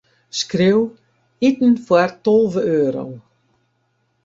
Skriuw: iten foar tolve euro.